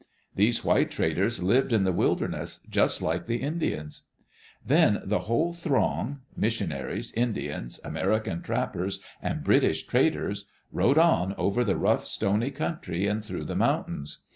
These white traders lived in the wilderness just like Indians. Then the whole throng — missionaries, Indians, Ameri can trappers, and British traders — rode on over the rough, stony country and through the mountains.